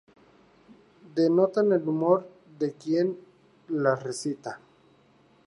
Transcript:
Denotan el humor de quien las recita.